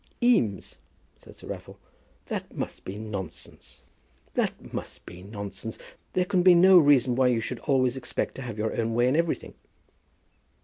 "Eames," said Sir Raffle, "that must be nonsense; that must be nonsense. There can be no reason why you should always expect to have your own way in everything."